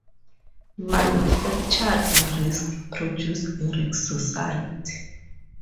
Manufactured risk produces a risk society.